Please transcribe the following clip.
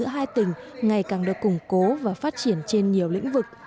hai tỉnh ngày càng được củng cố và phát triển trên nhiều lĩnh vực